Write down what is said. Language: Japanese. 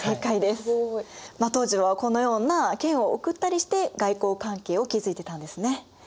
すごい。当時はこのような剣を贈ったりして外交関係を築いてたんですね。